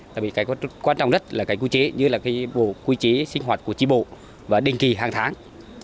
tại vì cái quan trọng nhất là cái quy chế như là cái bộ quy chế sinh hoạt của tri bộ và đình kỳ hàng tháng